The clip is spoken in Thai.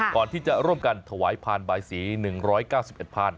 ก่อนร่มกันทหวายพลานใบสี๑๙๑พลาน